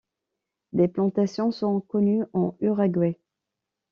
Des plantations sont connues en Uruguay.